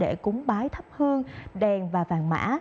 để cúng bái thắp hương đèn và vàng mã